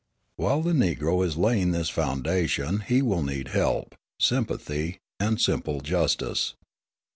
While the Negro is laying this foundation he will need help, sympathy, and simple justice.